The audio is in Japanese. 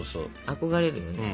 憧れるよね。